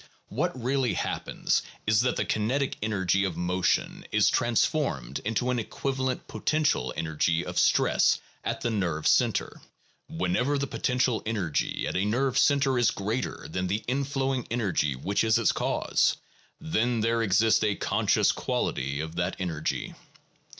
What really happens is that the kinetic energy of motion is transformed into an equivalent potential energy of stress at the nerve center. Whenever the potential energy at a nerve center is greater than the inflowing energy which is its cause, then there exists a conscious quality of that energy.